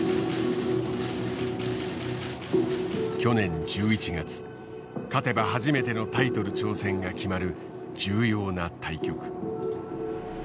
去年１１月勝てば初めてのタイトル挑戦が決まる重要な対局。